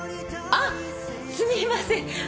あっすみません！